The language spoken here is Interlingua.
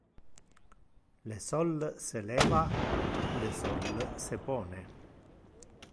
Le sol se leva, le sol se pone.